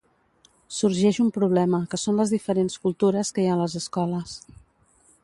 Sorgeix un problema que són les diferents cultures que hi ha a les escoles.